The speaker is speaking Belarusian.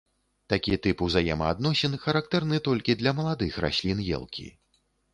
Такі тып узаемаадносін характэрны толькі для маладых раслін елкі.